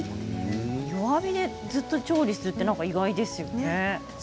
弱火でずっと調理をするのが意外です。